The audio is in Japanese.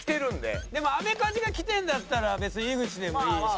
でもアメカジがきてるんだったら別に井口でもいいし。